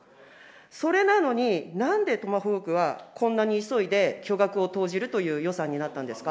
それなのに、なんでトマホークは、こんなに急いで巨額を投じるという予算になったんですか？